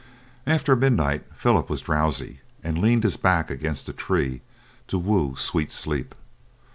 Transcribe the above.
After midnight Philip was drowsy, and leaned his back against a tree to woo sweet sleep.